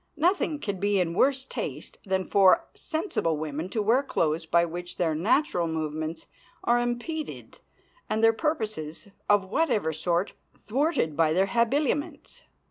Nothing can be in worse taste than for sensible women to wear clothes by which their natural movements are impeded, and their purposes, of whatever sort, thwarted by their habiliments.